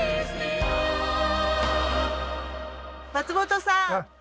松本さん！